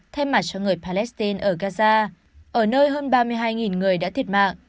thay mặt cho người palestine ở gaza ở nơi hơn ba mươi hai người đã thiệt mạng